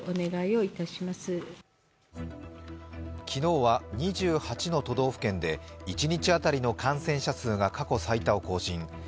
昨日は２８の都道府県で一日当たりの感染者数が過去最多を更新。